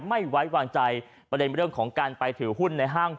ไม่ไว้วางใจเพราะได้มีเรื่องของการไปถือหุ้น